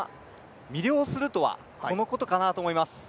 魅了するとはこのことかなと思います。